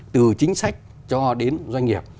từ chính sách cho đến doanh nghiệp